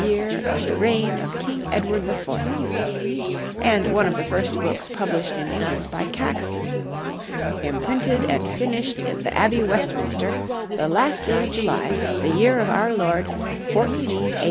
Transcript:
yere of the reygne of kyng Edward the Fourth," and one of the first books published in England by Caxton, "emprynted and fynysshed in th'abbey Westmestre the last day of July, the yere of our Lord MCCCCLXXXV."